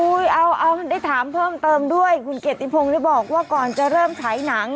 เอาได้ถามเพิ่มเติมด้วยคุณเกียรติพงศ์บอกว่าก่อนจะเริ่มฉายหนัง